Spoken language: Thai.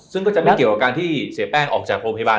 ซึ่งก็จะไม่เกี่ยวกับการที่เสียแป้งออกจากโรงพยาบาล